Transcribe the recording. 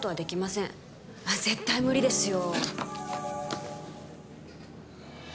絶対無理ですよ。